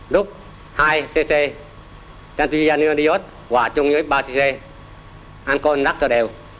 rút hai cc tanturizanilandios và chung với ba cc alkohol đặt cho đều